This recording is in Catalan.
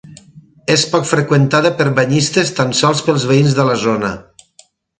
És poc freqüentada per banyistes, tan sols pels veïns de la zona.